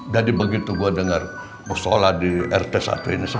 jadi begitu gue denger musyola di rt satu ini